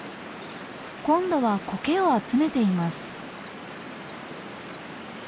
今度はコケを集めています。